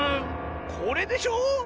これでしょ！